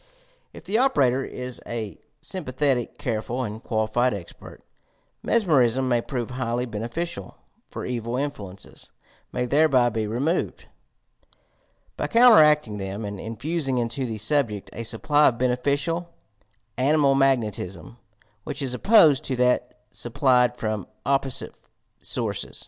If the operator is a sympathetic, careful, and quali fied expert, mesmerism may prove highly beneficial, for evil influences may thereby be removed, by counter acting them and infusing into the subject a supply of beneficial "animal magnetism" which is opposed to that supplied from opposite sources.